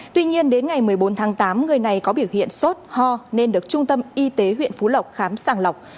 tuy nhiên đến ngày một mươi bốn tháng tám người này có biểu hiện sốt ho nên được trung tâm y tế huyện phú lộc khám sàng lọc